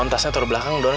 nontasnya terbelakang don